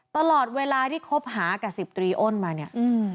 ตลอดเวลาที่คบหากับสิบตรีอ้นมาเนี่ย